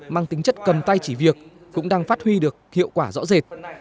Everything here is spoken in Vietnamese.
mang tính chất cầm tay chỉ việc cũng đang phát huy được hiệu quả rõ rệt